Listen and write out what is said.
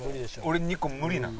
俺２個無理なん？